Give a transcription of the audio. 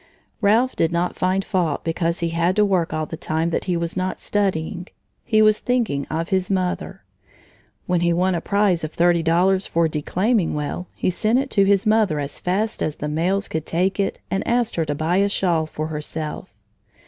Ralph did not find fault because he had to work all the time that he was not studying; he was thinking of his mother. When he won a prize of thirty dollars for declaiming well, he sent it to his mother as fast as the mails could take it and asked her to buy a shawl for herself.